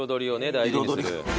大事にする。